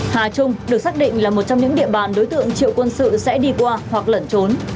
hà trung được xác định là một trong những địa bàn đối tượng triệu quân sự sẽ đi qua hoặc lẩn trốn